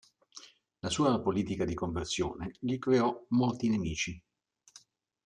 La sua politica di conversione gli creò molti nemici.